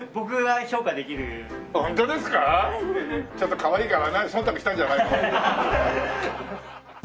ちょっとかわいいから忖度したんじゃないの？